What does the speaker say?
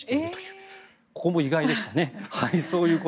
ここも意外でしたね。